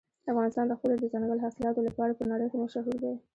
افغانستان د خپلو دځنګل حاصلاتو لپاره په نړۍ کې مشهور دی.